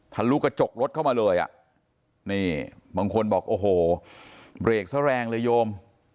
ลุกระจกรถเข้ามาเลยอ่ะนี่บางคนบอกโอ้โหเบรกซะแรงเลยโยม